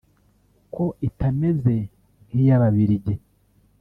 ko itameze nk’iy’ababiligi